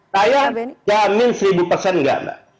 saya jamin seribu persen enggak mbak